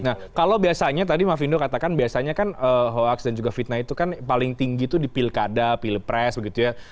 nah kalau biasanya tadi mafindo katakan biasanya kan hoax dan juga fitnah itu kan paling tinggi itu di pilkada pilpres begitu ya